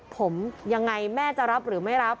ผมยังไงแม่จะรับหรือไม่รับ